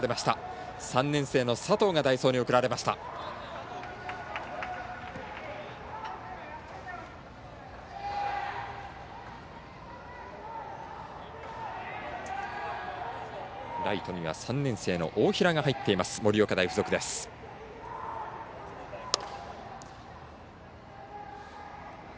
ライトには３年生の大平が入っています盛岡大付属です。